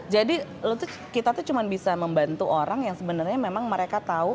jadi kita tuh cuma bisa membantu orang yang sebenarnya memang mereka tau